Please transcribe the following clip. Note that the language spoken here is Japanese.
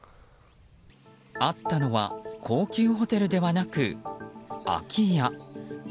あったのは高級ホテルではなく空き家。